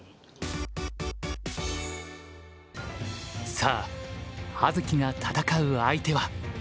さあ葉月が戦う相手は。